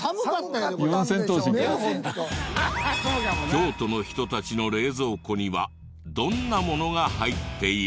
京都の人たちの冷蔵庫にはどんなものが入っている？